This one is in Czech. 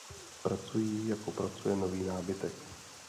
Pracují, jako pracuje nový nábytek.